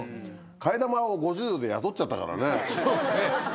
替え玉を５０ドルで雇っちゃったからね。